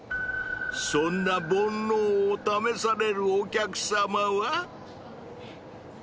そんな煩悩を試されるお客様は？